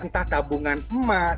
entah tabungan emas